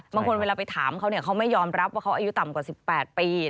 เวลาไปถามเขาเขาไม่ยอมรับว่าเขาอายุต่ำกว่า๑๘ปี